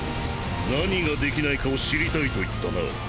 何ができないかを知りたいと言ったな。